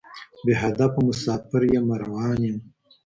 بې هدفه مسافر یمه روان یم